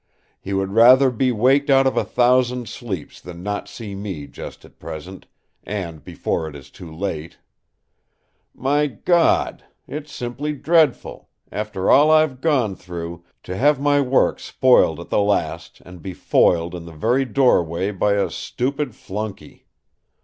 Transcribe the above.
He would rather be waked out of a thousand sleeps than not see me just at present—and before it is too late. My God! it's simply dreadful, after all I've gone through, to have my work spoiled at the last and be foiled in the very doorway by a stupid flunkey!